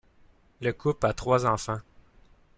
Le couple a trois enfants.